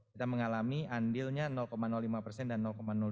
kita mengalami andilnya lima persen dan